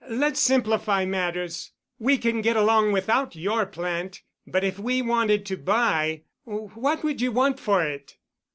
Let's simplify matters. We can get along without your plant, but if we wanted to buy, what would you want for it?"